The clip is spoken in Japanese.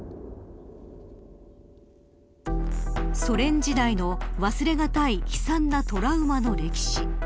ソ連時代の忘れがたい悲惨なトラウマの歴史。